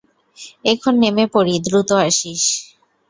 এখন নেমে পড়ি দ্রুত আসিস।